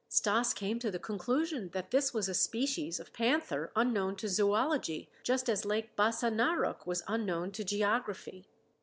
Stas came to the conclusion that this was a species of panther unknown to zoölogy, just as Lake Bassa Narok was unknown to geography.